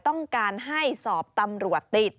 ต้องการให้สอบตำรวจติด